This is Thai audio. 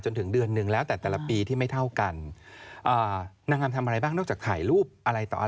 จนถึงเดือนหนึ่งแล้วแต่แต่ละปีที่ไม่เท่ากันอ่านางงามทำอะไรบ้างนอกจากถ่ายรูปอะไรต่ออะไร